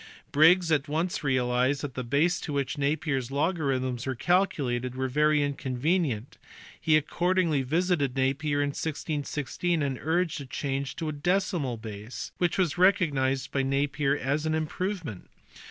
Briggs at once realized that thji_J3ase to which Napier s logarithms were calculated" was ^ very inconvenient,! he accordingly visited Napier in 1616, and urged the change to a decimal base, which was recognized by Napier as an improvement.